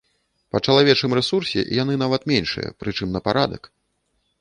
Па чалавечым рэсурсе яны нават меншыя, прычым на парадак!